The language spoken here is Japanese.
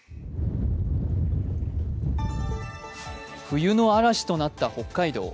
冬の嵐となった北海道。